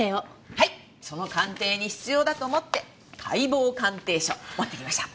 はいその鑑定に必要だと思って解剖鑑定書持ってきました。